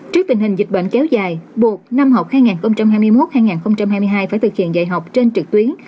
trước tình hình dịch bệnh kéo dài buộc năm học hai nghìn hai mươi một hai nghìn hai mươi hai phải thực hiện dạy học trên trực tuyến